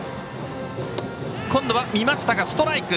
今度は見ましたがストライク。